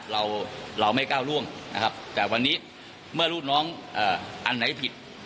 เราเราไม่ก้าวล่วงนะครับแต่วันนี้เมื่อลูกน้องอันไหนผิด